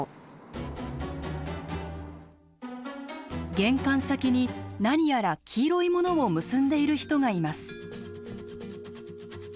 玄関先に何やら黄色いものを結んでいる人がいます。